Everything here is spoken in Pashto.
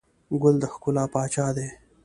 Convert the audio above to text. ګل د ښکلا پاچا دی.